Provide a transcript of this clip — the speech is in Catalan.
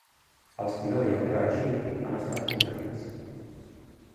Els qui no hi han reeixit han estat conquerits.